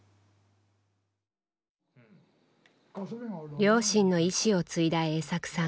両親の遺志を継いだ栄作さん